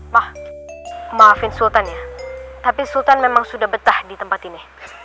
mah maafin sultan ya tapi sultan memang sudah betah di tempat ini